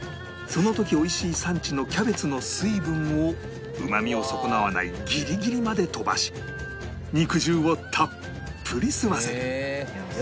その時美味しい産地のキャベツの水分をうまみを損なわないギリギリまで飛ばし肉汁をたっぷり吸わせる